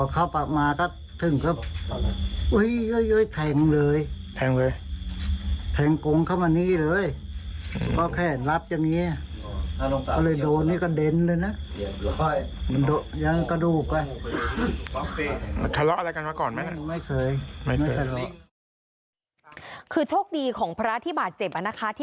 ค่อยย้องกระดูกไว้